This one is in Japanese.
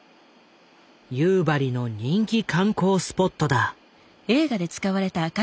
夕張の人気観光スポットだ。